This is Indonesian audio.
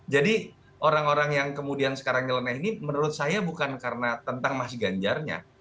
jadi orang orang yang kemudian sekarang nyelena ini menurut saya bukan karena tentang mas ganjarnya